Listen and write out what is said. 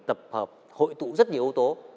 tập hợp hội tụ rất nhiều ưu tố